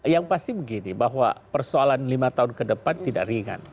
yang pasti begini bahwa persoalan lima tahun ke depan tidak ringan